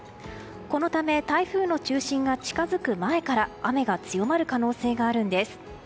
このため台風の中心が近づく前から雨が強まる可能性があるんです。